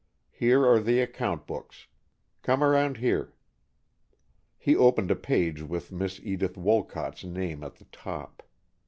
Here are the account books. Come around here." He opened a page with Miss Edith Wolcott's name at the top.